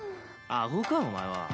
アホかお前は。